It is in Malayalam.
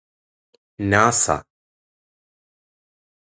നാസ